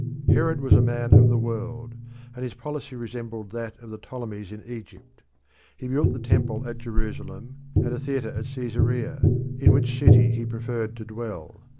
Herod was a man of the world, and his policy resembled that of the Ptolemies in Egypt. He built the Temple at Jerusalem and a theatre at Caesarea, in which city he preferred to dwell.